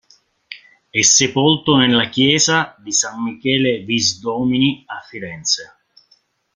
È sepolto nella Chiesa di San Michele Visdomini a Firenze.